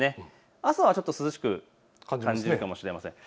朝はちょっと涼しく感じられるかもしれません。